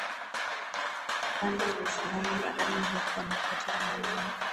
kikanda na ushindani barani huko na kote duniani